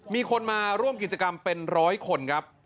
มีคนมาร่วมกิจกรรมเป็นร้อยคนครับ